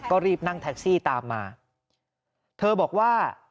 ก็รีบนั่งแท็กซี่ตามมาเธอบอกว่า